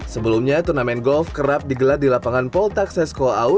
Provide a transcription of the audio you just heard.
sebelumnya turnamen golf kerap digelar di lapangan pol taksesco au